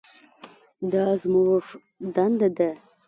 دا زموږ دنده ده.